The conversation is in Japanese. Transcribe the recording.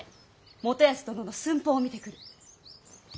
元康殿の寸法を見てくる。